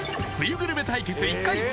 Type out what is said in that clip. グルメ対決１回戦